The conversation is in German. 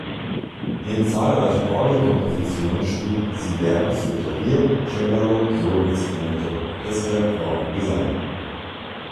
Neben zahlreichen Orgelkompositionen schrieb sie Werke für Klavier, Cembalo, Soloinstrumente, Orchester, Chor und Gesang.